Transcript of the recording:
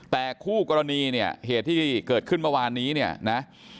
แต่คู่กรณีเนี่ยเหตุที่เกิดขึ้นเมื่อวานนี้เนี่ยนะ